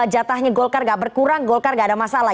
jatahnya golkar gak berkurang golkar gak ada masalah